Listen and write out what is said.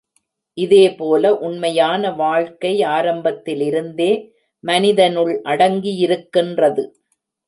இதே போல உண்மையான வாழ்க்கை ஆரம்பத்திலிருந்தே மனிதனுள் அடங்கியிருக்கின்றது.